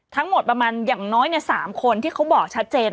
ทั้งหมดประมาณอย่างน้อย๓คนที่เขาบอกชัดเจน